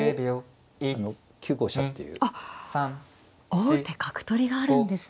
王手角取りがあるんですね。